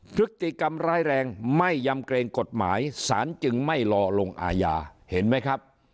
พฤติกรรมร้ายแรงไม่ยำเกรงกฎหมายสารจึงไม่รอลงอาญาเห็นไหมครับ